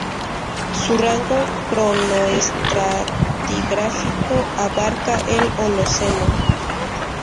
Su rango cronoestratigráfico abarca el Holoceno.